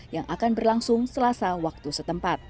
yang akan berlangsung selasa waktu setempat